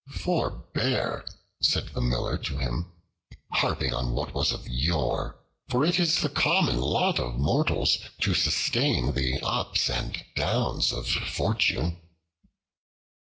"Forbear," said the Miller to him, "harping on what was of yore, for it is the common lot of mortals to sustain the ups and downs of fortune."